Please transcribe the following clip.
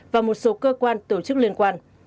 và một số cơ quan tổ chức liên quan